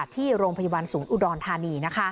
ที่โรงพยาบาลศูนย์อุดรธานี